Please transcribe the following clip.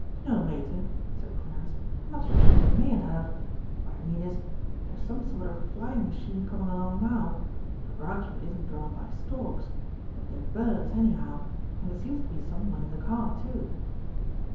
"D'you know, Mater," said Clarence, "I'm not so sure we mayn't have. What I mean is there's some sort of flying machine coming along now. I grant you it isn't drawn by storks, but they're birds anyhow, and there seems to be some one in the car too."